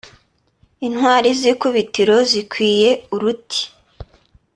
Intwari z’ikubitiro zikwiye uruti